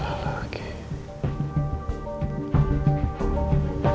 apa besok gue tanya mama aja